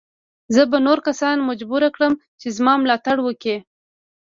زه به نور کسان مجبور کړم چې زما ملاتړ وکړي.